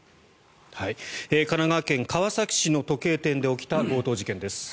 神奈川県川崎市の時計店で起きた強盗事件です。